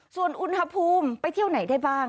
ส่วนอุณหภูมิไปเที่ยวไหนได้บ้าง